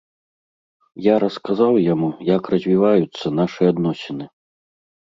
Я расказаў яму, як развіваюцца нашы адносіны.